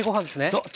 そう。